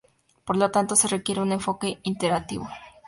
Por lo tanto, se requiere un enfoque iterativo.